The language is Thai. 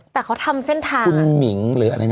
แต่เขาทำเส้นทาง